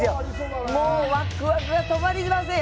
もうわくわくが止まりません。